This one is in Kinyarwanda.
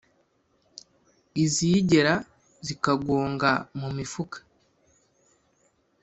iziyigera zikagonga mu mifuka.